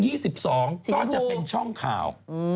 ก็จะเป็นช่องข่าว